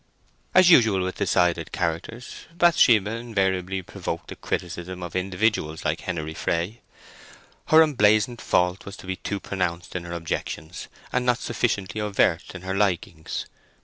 As usual with decided characters, Bathsheba invariably provoked the criticism of individuals like Henery Fray. Her emblazoned fault was to be too pronounced in her objections, and not sufficiently overt in her likings.